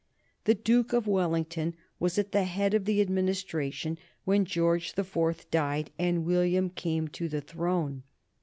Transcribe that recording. The Duke of Wellington was at the head of the Administration when George the Fourth died and William came to the throne.